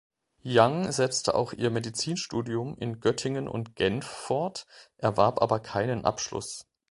Young setzte auch ihr Medizinstudium in Göttingen und Genf fort, erwarb aber keinen Abschluss.